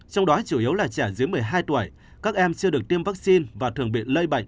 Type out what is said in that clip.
trong đó chủ yếu là trẻ dưới một mươi hai tuổi các em chưa được tiêm vaccine và thường bị lây bệnh